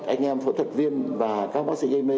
anh em phẫu thuật viên và các bác sĩ gây mê